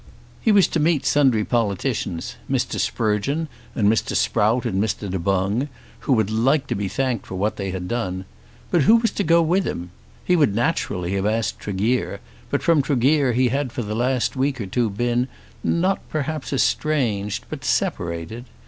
He was to meet sundry politicians, Mr. Sprugeon and Mr. Sprout and Mr. Du Boung, who would like to be thanked for what they had done. But who was to go with him? He would naturally have asked Tregear, but from Tregear he had for the last week or two been, not perhaps estranged, but separated.